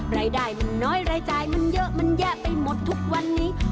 รายได้มันน้อยรายจ่ายมันเยอะมันแยะไปหมดทุกวันนี้